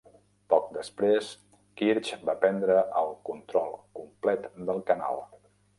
Poc després, Kirch va prendre el control complet del canal.